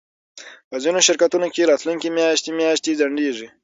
په ځینو شرکتونو کې راتلونکی میاشتې میاشتې ځنډیږي